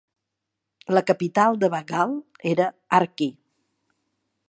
La capital de Baghal era Arki.